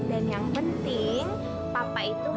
dan yang penting papa itu harus tetap sama